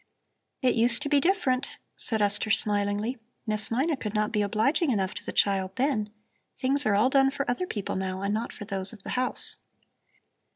"It used to be different," said Esther smilingly, "Miss Mina could not be obliging enough to the child then. Things are all done for other people now and not for those of the house."